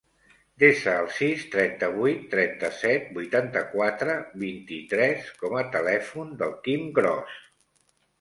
Desa el sis, trenta-vuit, trenta-set, vuitanta-quatre, vint-i-tres com a telèfon del Quim Gros.